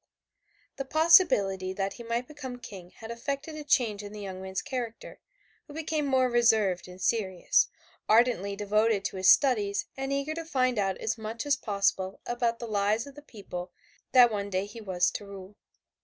The possibility that he might become King had effected a change in the young man's character, who became more reserved and serious, ardently devoted to his studies and eager to find out as much as possible about the lives of the people that one day he was to rule.